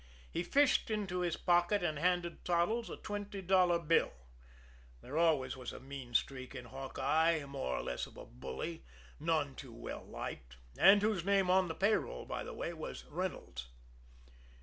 He fished into his pocket and handed Toddles a twenty dollar bill there always was a mean streak in Hawkeye, more or less of a bully, none too well liked, and whose name on the payroll, by the way, was Reynolds.